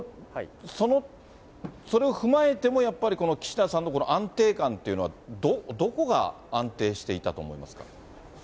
それを踏まえても、やっぱりこの岸田さんの、この安定感っていうのは、どこが安定していたと思いますか。